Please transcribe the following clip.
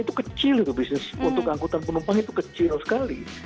itu kecil itu bisnis untuk angkutan penumpang itu kecil sekali